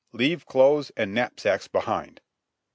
leave clothes and knapsacks behind